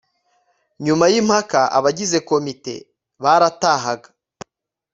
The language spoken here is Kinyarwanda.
nyuma y'impaka abagize komite baratahaga